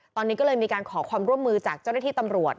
ตอนนี้ก็เลยมีการขอความร่วมมือจากเจ้าหน้าที่ตำรวจ